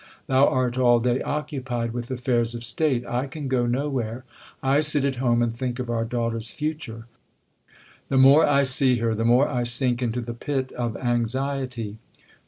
Thou art all day occupied with affairs of state. I can go nowhere, I sit at home and think of our daughter s future. The more I see her, the more I sink into the pit of anxiety.